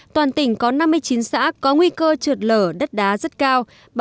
toàn tỉnh có năm mươi chín xã có nguy cơ trượt lở đất đá rất cao